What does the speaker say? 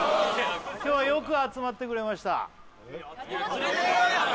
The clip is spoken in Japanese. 今日はよく集まってくれました